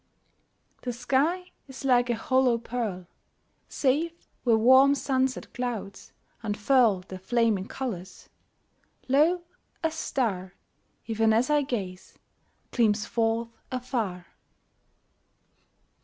The sky is like a hollow pearl, Save where warm sunset clouds unfurl Their flaming colors. Lo ! a star, Even as I gaze, gleams forth afar